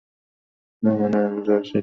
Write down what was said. ধামরাই উপজেলার ইতিহাস অনেক পুরোনো।